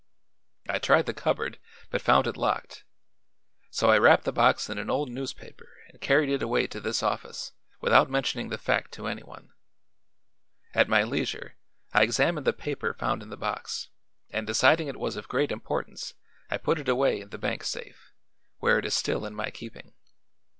I tried the cupboard, but found it locked; so I wrapped the box in an old newspaper and carried it away to this office, without mentioning the fact to anyone. At my leisure I examined the paper found in the box and deciding it was of great importance I put it away in the bank safe, where it is still in my keeping.